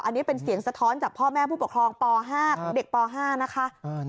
อันนี้เป็นเสียงสะท้อนจากพ่อแม่ผู้ปกครองป๕ของเด็กป๕นะคะ